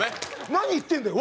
「何言ってんだよ